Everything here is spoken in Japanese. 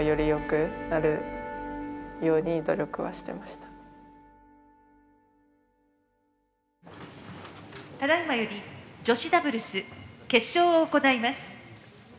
「ただいまより女子ダブルス決勝を行います」。